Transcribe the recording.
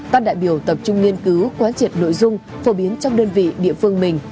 các đại biểu tập trung nghiên cứu quán triệt nội dung phổ biến trong đơn vị địa phương mình